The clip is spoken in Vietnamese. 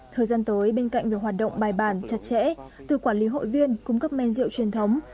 thời gian tới bên cạnh việc hoạt động bài bản chặt chẽ từ quản lý hội viên cung cấp men rượu truyền thống